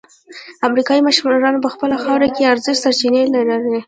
افریقايي مشرانو په خپله خاوره کې ارزښتناکې سرچینې لرلې.